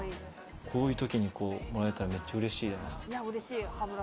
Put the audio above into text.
こういうときにもらえたら、めっちゃ嬉しいよな。